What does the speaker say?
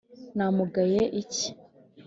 namugaye iki ?